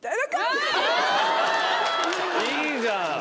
いいじゃん。